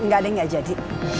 nggak ada yang gak jadi